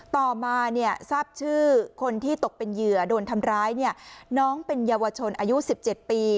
ต่อมาเนี่ยทราบชื่อคนที่ตกเป็นเหยื่อโดนทำร้ายเนี่ยน้องเป็นเยาวชนอายุ๑๗ปี